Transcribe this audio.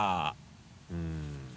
うん。